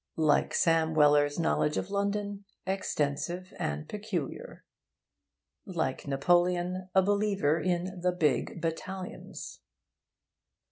Like Sam Weller's knowledge of London, 'extensive and peculiar.' Like Napoleon, a believer in 'the big battalions.'